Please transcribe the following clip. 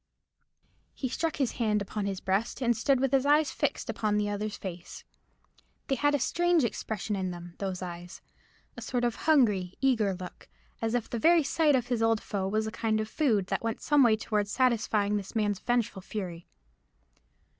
He struck his hand upon his breast, and stood with his eyes fixed upon the other's face. They had a strange expression in them, those eyes—a sort of hungry, eager look, as if the very sight of his old foe was a kind of food that went some way towards satisfying this man's vengeful fury.